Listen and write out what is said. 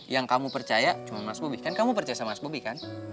yang kamu percaya cuma mas bobi kan kamu percaya sama mas bobi kan